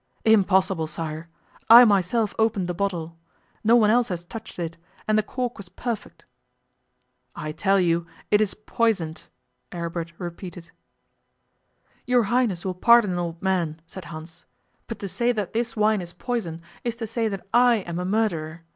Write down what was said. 'Impossible, sire. I myself opened the bottle. No one else has touched it, and the cork was perfect.' 'I tell you it is poisoned,' Aribert repeated. 'Your Highness will pardon an old man,' said Hans, 'but to say that this wine is poison is to say that I am a murderer.